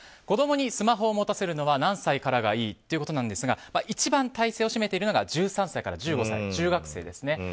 子供にスマホを持たせるのは何歳からがいいということですが一番大勢を占めているのが１３歳から１５歳、中学生ですね。